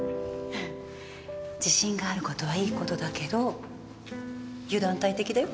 自信があることはいいことだけど油断大敵だよ